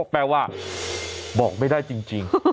แปลว่าบอกไม่ได้จริง